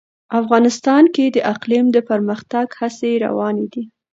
افغانستان کې د اقلیم د پرمختګ هڅې روانې دي.